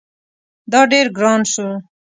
دا ډیر ګران شو